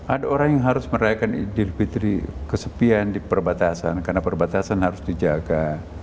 ada orang yang harus merayakan idul fitri kesepian di perbatasan karena perbatasan harus dijaga